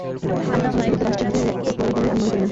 কিন্তু তার ফলের কৃতিত্ব রাষ্ট্রের হতে পারে বলে আমি মনে করি না।